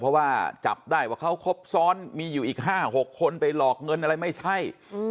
เพราะว่าจับได้ว่าเขาครบซ้อนมีอยู่อีก๕๖คนไปหลอกเงินอะไรไม่ใช่